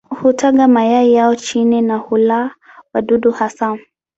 Hutaga mayai yao chini na hula wadudu hasa.